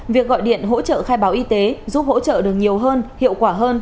việc gọi điện hỗ trợ khai báo y tế giúp hỗ trợ được nhiều hơn hiệu quả hơn